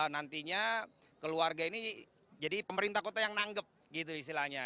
nantinya keluarga ini jadi pemerintah kota yang nanggep gitu istilahnya